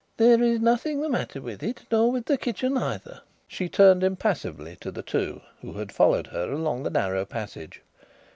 "There is nothing the matter with it, nor with the kitchen either." She turned impassively to the two who had followed her along the narrow passage.